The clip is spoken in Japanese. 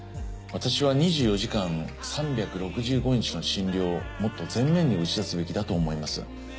私は２４時間３６５日の診療をもっと前面に打ち出すべきだと思います。